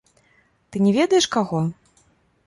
Ты не ведаеш каго?